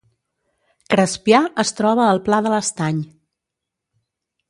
Crespià es troba al Pla de l’Estany